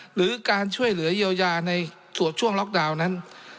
หรือการช่วยเหลือเยียวยาในส่วนช่วงล็อกดาวน์นั้น